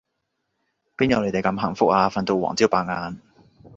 邊有你哋咁幸福啊，瞓到黃朝白晏